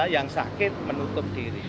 yang sakit menutup diri